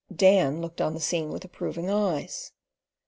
Dan looked on the scene with approving eyes.